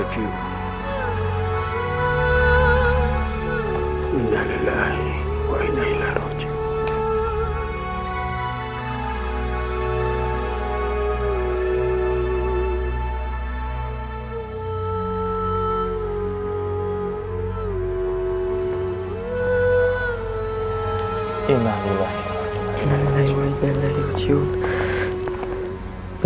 jangan lupakan aku ya